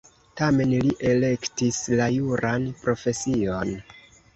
Tamen li elektis la juran profesion.